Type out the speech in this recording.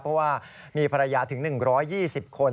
เพราะว่ามีภรรยาถึง๑๒๐คน